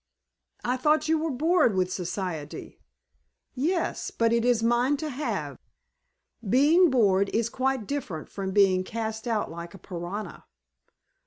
"I thought you were bored with Society." "Yes, but it is mine to have. Being bored is quite different from being cast out like a pariah."